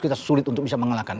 kita sulit untuk bisa mengalahkan